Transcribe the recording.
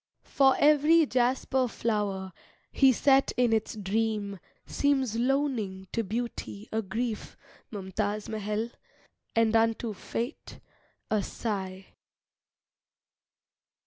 For every jasper flower He set in its dream seems loaning To Beauty a grief, Mumtaz Mahal, And unto Fate a sigh.